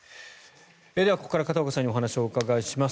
ではここから片岡さんにお伺いします。